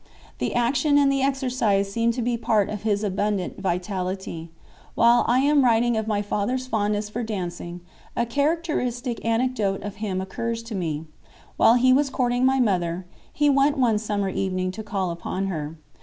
The action and the exercise seemed to be a part of his abundant vitality. While I am writing of my father's fondness for dancing, a characteristic anecdote of him occurs to me. While he was courting my mother, he went one summer evening to call upon her.